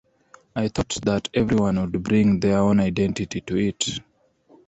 I thought that everyone would bring their own identity to it.